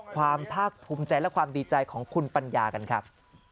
ความภาคภูมิใจและความดีใจของคุณปัญญากันครับ